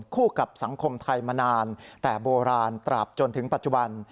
คู่กับสังคมไทยมานานแต่โบราณตราบจนถึงปัจจุบัน